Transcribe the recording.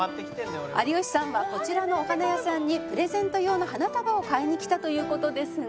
「有吉さんはこちらのお花屋さんにプレゼント用の花束を買いに来たという事ですが」